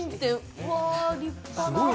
うわあ、立派な。